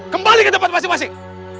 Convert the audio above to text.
kembali ke tempat masing masing